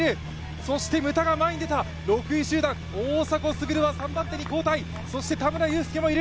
そして牟田が前に出た、６位集団、大迫傑は３番手に後退、田村友佑もいる。